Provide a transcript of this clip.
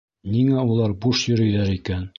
Ниңә улар буш йөрөйҙәр икән?